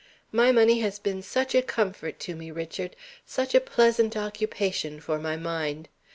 My money has been such a comfort to me, Richard; such a pleasant occupation for my mind.